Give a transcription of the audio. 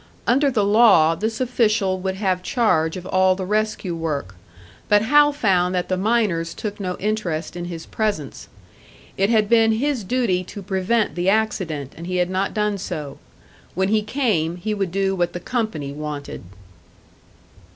Under the law this official would have charge of all the rescue work, but Hal found that the miners took no interest in his presence. It had been his duty to prevent the accident, and he had not done so. When he came, he would do what the company wanted.